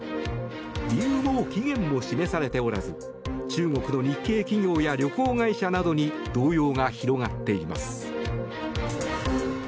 理由も期限も示されておらず中国の日系企業や旅行会社などに動揺が広がっています。